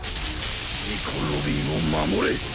ニコ・ロビンを守れ！